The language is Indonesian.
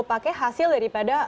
mau pakai hasil daripada